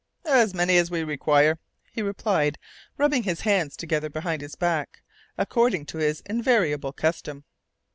"As many as we require," he replied, rubbing his hands together behind his back, according to his invariable custom.